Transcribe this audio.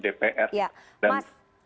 oke kalau soal kekayaan menurut anda wajar